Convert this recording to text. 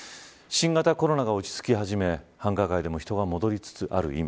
新型コロナが落ち着き始め繁華街でも人が戻りつつある今